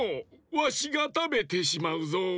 わしがたべてしまうぞ。